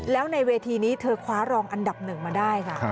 แล้วในเวทีนี้เธอคว้ารองอันดับหนึ่งมาได้ค่ะ